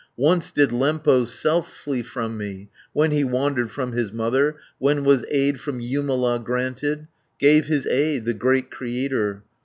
"Once did Lempo's self flee from me, When he wandered from his mother, When was aid from Jumala granted, Gave his aid, the Great Creator.